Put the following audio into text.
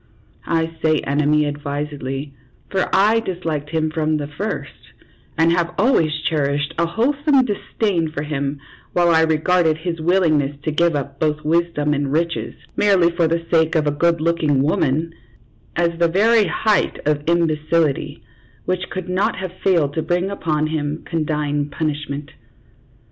I say enemy advisedly, for I disliked him from the first, and have always cherished a whole some disdain for him, while I regarded his willingness to give up both wisdom and riches, merely for the sake of a good looking woman, as the very height of imbecility, which could not have failed to bring upon him condign punishment.